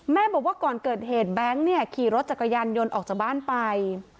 บอกว่าก่อนเกิดเหตุแบงค์เนี่ยขี่รถจักรยานยนต์ออกจากบ้านไป